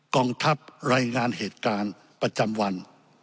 กองทัพรายงานเหตุการณ์ประจำวัน